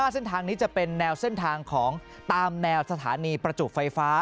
เส้นทางนี้จะเป็นแนวเส้นทางของตามแนวสถานีประจุไฟฟ้า